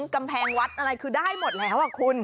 กำแพงวัดอะไรคือได้หมดแล้วคุณ